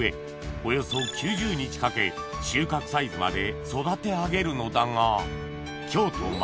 およそ９０日かけ収穫サイズまで育て上げるのだが京都舞